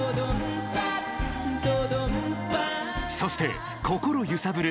そして、心揺さぶる